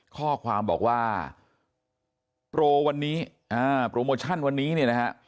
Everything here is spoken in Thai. ข้อความบอกว่าโปรวันนี้โปรโมชั่นวันนี้เนี่ยนะฮะ